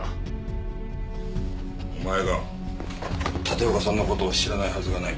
お前が立岡さんの事を知らないはずがない。